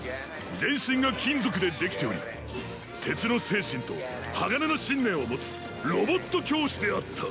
［全身が金属でできており鉄の精神と鋼の信念を持つロボット教師であった］